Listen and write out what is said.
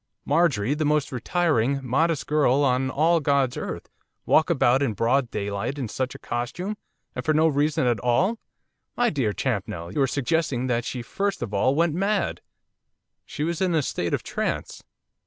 Marjorie, the most retiring, modest girl on all God's earth, walk about in broad daylight, in such a costume, and for no reason at all! my dear Champnell, you are suggesting that she first of all went mad.' 'She was in a state of trance.